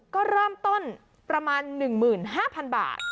ก็เริ่มต้นประมาณ๑๕๐๐๐บาท